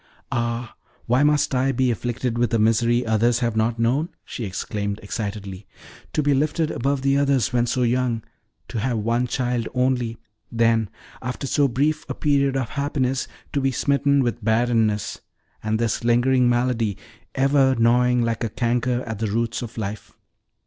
"Ah, why must I be afflicted with a misery others have not known!" she exclaimed excitedly. "To be lifted above the others, when so young; to have one child only; then after so brief a period of happiness, to be smitten with barrenness, and this lingering malady ever gnawing like a canker at the roots of life!